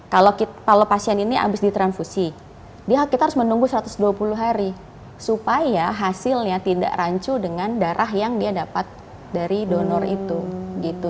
kalau pasien ini habis ditransfusi kita harus menunggu satu ratus dua puluh hari supaya hasilnya tidak rancu dengan darah yang dia dapat dari donor itu gitu